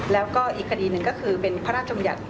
แล้วก็อีกคดีหนึ่งก็คือเป็นพระราชบัญญัติ